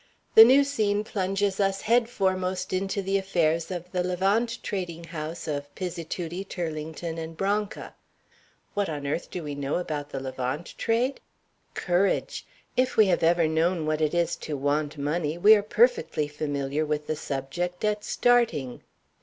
The new scene plunges us head foremost into the affairs of the Levant trading house of Pizzituti, Turlington & Branca. What on earth do we know about the Levant Trade? Courage! If we have ever known what it is to want money we are perfectly familiar with the subject at starting.